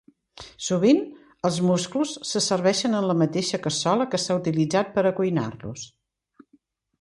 Sovint, els musclos se serveixen en la mateixa cassola que s'ha utilitzat per a cuinar-los.